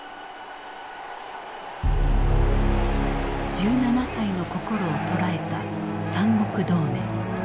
１７歳の心を捉えた三国同盟。